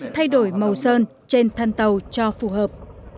thay đổi màu sơn trên thân tàu cho phù hợp